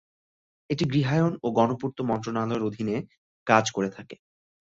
এটি গৃহায়ন ও গণপূর্ত মন্ত্রণালয়ের অধীনে কাজ করে থাকে।